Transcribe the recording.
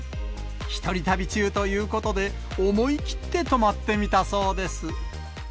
一人旅中ということで、思い切って泊まってみたそうです。